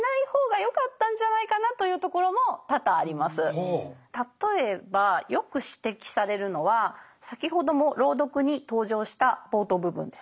正直な話例えばよく指摘されるのは先ほども朗読に登場した冒頭部分です。